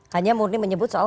hanya murni menyebut soal